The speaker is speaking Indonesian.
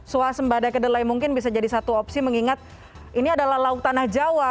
suasembada kedelai mungkin bisa jadi satu opsi mengingat ini adalah laut tanah jawa